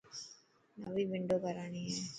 نوي ونڊو ڪراڻي هي.